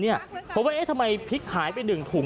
เพราะว่าทำไมพริกหายไป๑ถุง